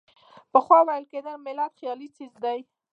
پخوا ویل کېدل ملت خیالي څیز دی.